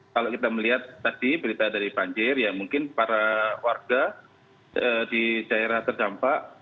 kalau kita melihat tadi berita dari banjir ya mungkin para warga di daerah terdampak